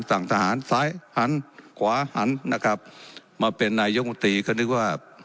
สั่งทหารซ้ายหันขวาหันนะครับมาเป็นนายกมนตรีก็นึกว่า